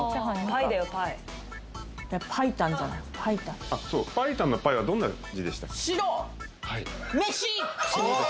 パイタンパイタンのパイはどんな字でしたっけ？